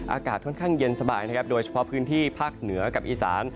อากาศค่อนข้างเย็นสบายนะครับโดยเฉพาะพื้นที่ภาคเหนือกับอีสาน